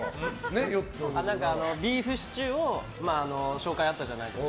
ビーフシチュー紹介あったじゃないですか